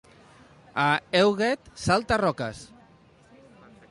A Èguet, salta-roques.